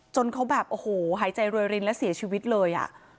จนเขาแบบโอ้โหหายใจรวยรินและเสียชีวิตเลย